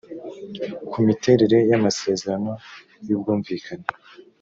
ku miterere y amasezerano y ubwumvikane